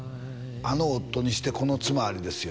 あの夫にしてこの妻ありですよ